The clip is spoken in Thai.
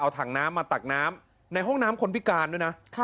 ถังน้ำมาตักน้ำในห้องน้ำคนพิการด้วยนะ